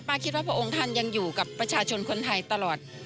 คิดว่าพระองค์ท่านยังอยู่กับประชาชนคนไทยตลอด